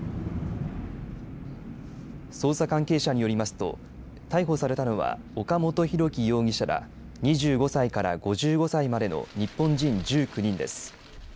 捜査関係者によりますと逮捕されたのは岡本大樹容疑者ら２５歳から５５歳までの日本人１９人です。